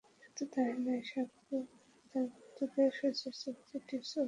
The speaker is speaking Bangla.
শুধু তা-ই নয়, শাহরুখ তাঁর ভক্তদের জন্য শরীরচর্চার কিছু টিপসও বলেছেন।